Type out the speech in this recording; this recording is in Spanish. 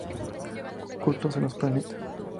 Ocultos en los planetas.